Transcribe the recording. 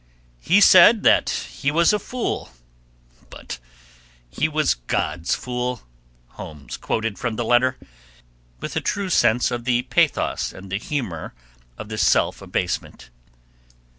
"He said that he was a fool, but he was God's fool," Holmes quoted from the letter, with a true sense of the pathos and the humor of the self abasement.